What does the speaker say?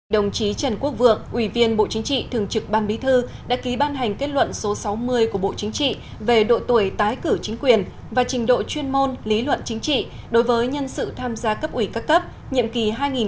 đồng chí trần quốc vượng ủy viên bộ chính trị thường trực ban bí thư đã ký ban hành kết luận số sáu mươi của bộ chính trị về độ tuổi tái cử chính quyền và trình độ chuyên môn lý luận chính trị đối với nhân sự tham gia cấp ủy các cấp nhiệm kỳ hai nghìn hai mươi hai nghìn hai mươi năm